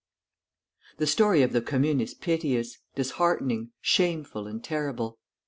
The story of the Commune is piteous, disheartening, shameful, and terrible.